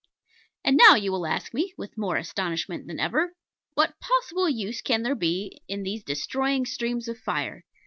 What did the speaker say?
And now you will ask me, with more astonishment than ever, what possible use can there be in these destroying streams of fire?